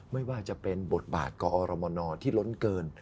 ไม่ว่าจะเป็นบทบาทกอรมนที่ล้นเกิน